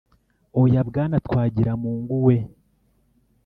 Oya, Bwana Twagiramungu we